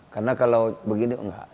karena kalau begini enggak